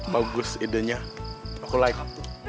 bagus idenya aku like